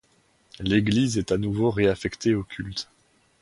L'église est à nouveau réaffectée au culte.